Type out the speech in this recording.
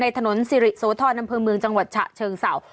ในถนนสิริโสธรนำเภิงเมืองจังหวัดชะเชิงเสา